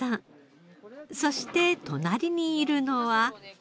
そして隣にいるのは。